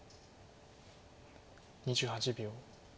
２８秒。